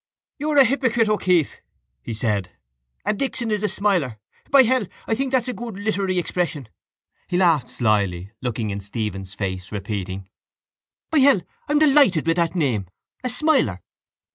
—You're a hypocrite, O'Keeffe, he said. And Dixon is a smiler. By hell, I think that's a good literary expression. He laughed slily, looking in Stephen's face, repeating: —By hell, I'm delighted with that name. A smiler.